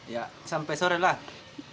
ya sampai sore lah